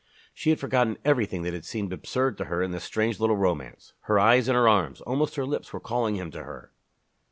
She had forgotten everything that had seemed absurd to her in this strange little romance. Her eyes and her arms, almost her lips, were calling him to her.